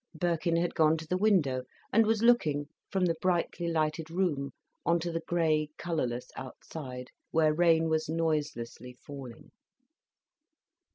Birkin had gone to the window, and was looking from the brilliantly lighted room on to the grey, colourless outside, where rain was noiselessly falling.